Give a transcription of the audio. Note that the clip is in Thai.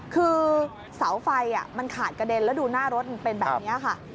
คือเสาไฟมันขาดกระเด็นแล้วดูหน้ารถมันเป็นแบบนี้ค่ะ